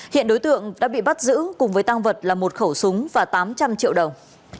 hiện đối tượng đã bị bắt giữ cùng với tăng vật là một khẩu súng và tám trăm linh triệu đồng